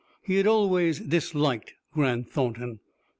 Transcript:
He had always disliked Grant Thornton.